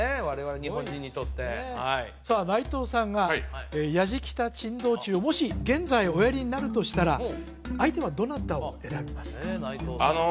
我々日本人にとってさあ内藤さんが弥次喜多珍道中をもし現在おやりになるとしたら相手はどなたを選びますか？